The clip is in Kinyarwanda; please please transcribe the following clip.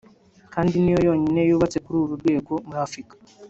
kandi ni yo yonyine yubatse kuri uru rwego muri Afurika